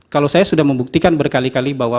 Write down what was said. kalau saya sudah membuktikan berkali kali bahwa